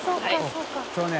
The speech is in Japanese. そうね。